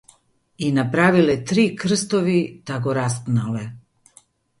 И направиле три крстови та го распнале.